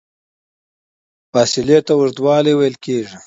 فاصلې ته اوږدوالی ویل کېږي.